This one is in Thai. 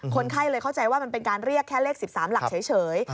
คนไข้เลยเข้าใจว่ามันเป็นการเรียกแค่เลข๑๓หลักเฉย